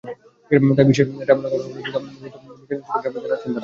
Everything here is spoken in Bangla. তাই বিশেষ ট্রাইব্যুনাল গঠন করে দ্রুত বিচার নিশ্চিত করার দাবি জানাচ্ছেন তাঁরা।